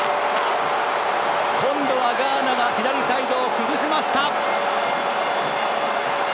今度はガーナが左サイドを崩しました！